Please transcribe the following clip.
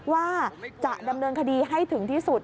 ว่าจะดำเนินคดีให้ถึงที่สุด